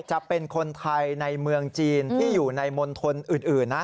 จะเป็นคนไทยในเมืองจีนที่อยู่ในมณฑลอื่นนะ